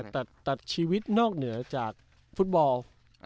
แต่ตัดชีวิตนอกเหนือจากฟุตบอล